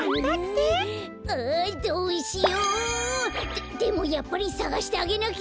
ででもやっぱりさがしてあげなきゃ！